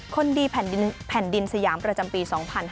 คนดีแผ่นดินสยามประจำปี๒๕๕๙